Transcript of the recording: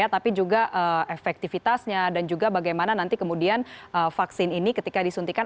tapi juga efektivitasnya dan juga bagaimana nanti kemudian vaksin ini ketika disuntikan